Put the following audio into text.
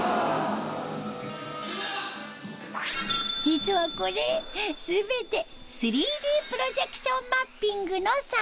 実はこれ全て３Ｄプロジェクションマッピングの作品。